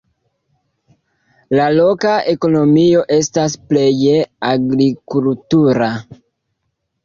La loka ekonomio estas pleje agrikultura.